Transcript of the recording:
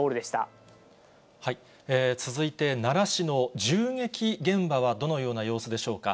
続いて、奈良市の銃撃現場はどのような様子でしょうか。